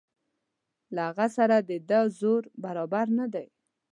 له هغه سره د ده زور برابر نه دی.